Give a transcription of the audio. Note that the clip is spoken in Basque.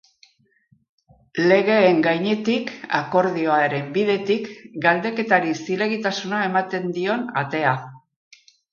Legeen gainetik, akordioaren bidetik, galdeketari zilegitasuna ematen dion atea.